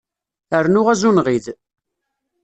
Rnu azunɣid.